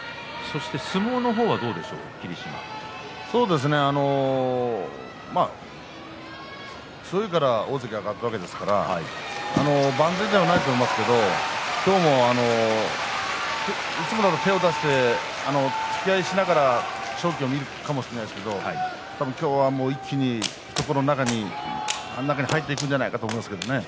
相撲の方は強いから大関に上がったわけですから万全ではないと言いますけれど今日も、いつもなら手を出してつきあいをしながら勝機を見るかもしれませんけど今日は一気に懐の中に入っていくんじゃないかと思います。